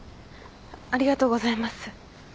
ありがとうございます。